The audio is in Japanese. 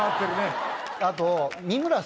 あと。